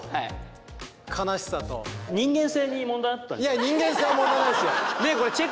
いや人間性は問題ないですよ。